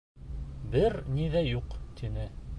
Бер ни ҙә юҡ, тине.